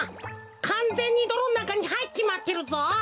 かんぜんにどろんなかにはいっちまってるぞ。